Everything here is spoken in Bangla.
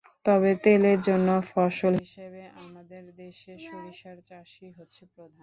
তবে তেলের জন্য ফসল হিসেবে আমাদের দেশে সরিষার চাষই হচ্ছে প্রধান।